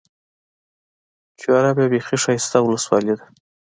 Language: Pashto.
چوره بيا بېخي ښايسته اولسوالي ده.